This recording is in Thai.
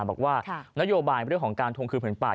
บอกว่านโยบายเรื่องของการทวงคืนผืนป่า